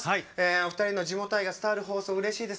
お二人の地元愛が伝わる放送うれしいです。